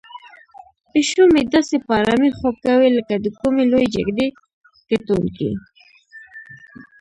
پیشو مې داسې په آرامۍ خوب کوي لکه د کومې لویې جګړې ګټونکی.